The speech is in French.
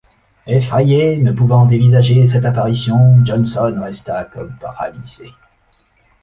Effrayé, ne pouvant dévisager cette apparition, Johnson resta comme paralysé.